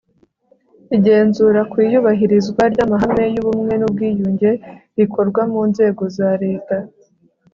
igenzura ku iyubahirizwa ry'amahame y'ubumwe n'ubwiyunge rikorwa mu nzego za leta